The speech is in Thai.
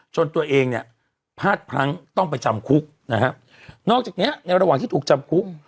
จนตัวเองเนี่ยพลาดพลั้งต้องไปจำคุกนะฮะนอกจากเนี้ยในระหว่างที่ถูกจำคุก